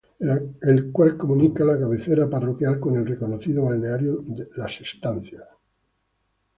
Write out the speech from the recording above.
El cual comunica la cabecera parroquial con el reconocido Balneario Las Estancias.